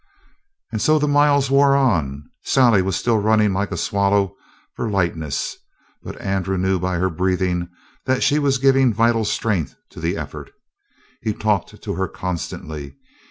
And so the miles wore on. Sally was still running like a swallow for lightness, but Andrew knew by her breathing that she was giving vital strength to the effort. He talked to her constantly.